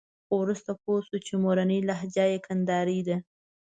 خو وروسته پوه شو چې مورنۍ لهجه یې کندارۍ ده.